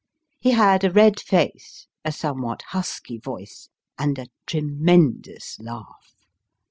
He had a red face, a somewhat husky voice, and a tremendous laugh.